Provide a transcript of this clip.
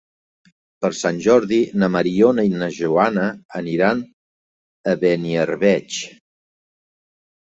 Per Sant Jordi na Mariona i na Joana aniran a Beniarbeig.